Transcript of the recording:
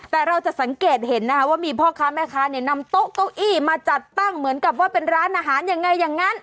แต่เราจะสังเกตเห็นนะคะว่ามีพ่อค้าแม่ค้าเนี่ยนำโต๊ะเก้าอี้มาจัดตั้งเหมือนกับว่าเป็นร้านอาหารยังไงอย่างนั้น